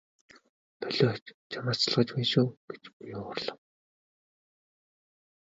Болиоч чамаас залхаж байна шүү гэж би уурлав.